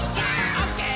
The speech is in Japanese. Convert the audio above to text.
「オッケー！